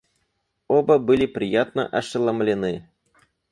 Оба были приятно ошеломлены.